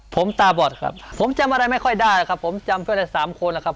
ผมตาบอดครับผมจำอะไรไม่ค่อยได้ครับผมจำเพื่อนได้สามคนแล้วครับ